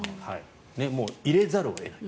もう入れざるを得ない。